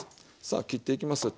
さあ切っていきますよ